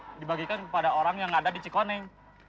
yang dibagikan kepada orang yang ada di cikoneng